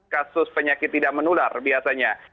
kasus penyakit tidak menular biasanya